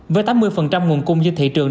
với tám mươi nguồn cung do thị trường